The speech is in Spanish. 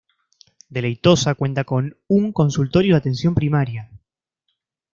Deleitosa cuenta con un consultorio de atención primaria.